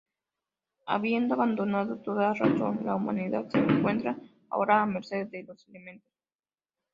Habiendo abandonado toda razón, la humanidad se encuentra ahora a merced de los elementos.